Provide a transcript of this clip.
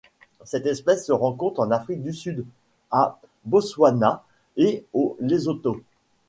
Cette espèce se rencontre en Afrique du Sud, au Botswana et au Lesotho.